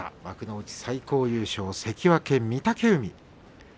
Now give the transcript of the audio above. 幕内最高優勝関脇御嶽海。